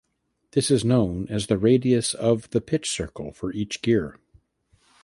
This is known as the radius of the "pitch circle" for each gear.